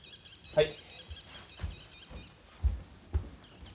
はい。